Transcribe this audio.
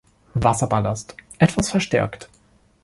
Wasserballast etwas verstärkt.